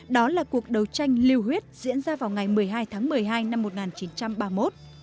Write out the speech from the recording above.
đó là cuộc đấu tranh lưu huyết diễn ra vào ngày một mươi hai tháng một mươi hai năm một nghìn chín trăm ba mươi một